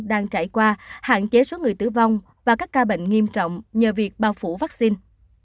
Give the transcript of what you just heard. đang trải qua hạn chế số người tử vong và các ca bệnh nghiêm trọng nhờ việc bao phủ vaccine